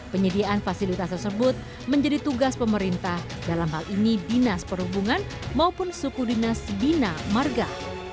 penyediaan fasilitas tersebut menjadi tugas pemerintah dalam hal ini dinas perhubungan maupun suku dinas bina marga